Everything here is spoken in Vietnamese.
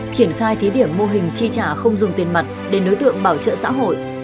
triển khai thí điểm mô hình chi trả không dùng tiền mặt đến đối tượng bảo trợ xã hội